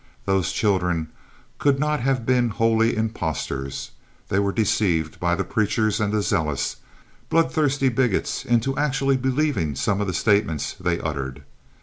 Those children could not have been wholly impostors. They were deceived by the preachers and the zealous, bloodthirsty bigots into actually believing some of the statements they uttered.